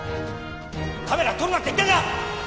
「カメラ撮るなって言ってるんだ！」